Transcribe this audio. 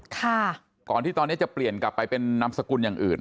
ก่อนที่ตอนนี้จะเปลี่ยนกลับไปเป็นนามสกุลอย่างอื่น